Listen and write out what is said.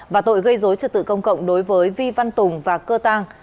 và tội gây dối trực tự công cộng đối với vi văn tùng và cơ tàng